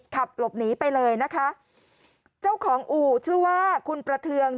ขับหลบหนีไปเลยนะคะเจ้าของอู่ชื่อว่าคุณประเทือง